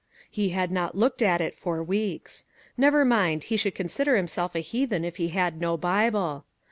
He had not looked at it for weeks; never mind, he should consider himself a heathen if he had no Bible.